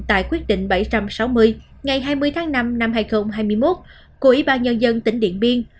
tại quyết định bảy trăm sáu mươi ngày hai mươi tháng năm năm hai nghìn hai mươi một của ủy ban nhân dân tỉnh điện biên